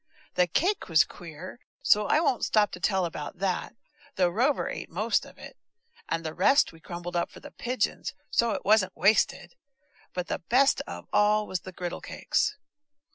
The cake was queer, so I won't stop to tell about that, though Rover ate most of it, and the rest we crumbled up for the pigeons, so it wasn't wasted; but the best of all was the griddle cakes.